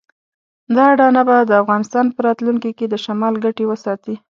دا اډانه به د افغانستان په راتلونکي کې د شمال ګټې وساتي.